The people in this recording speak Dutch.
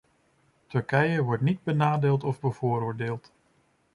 Turkije wordt niet benadeeld of bevoordeeld.